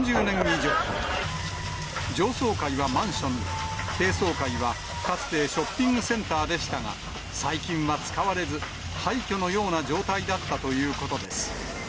上層階はマンションで、低層階はかつてショッピングセンターでしたが、最近は使われず、廃虚のような状態だったということです。